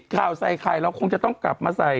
ข่าวใส่ไข่เราคงจะต้องกลับมาใส่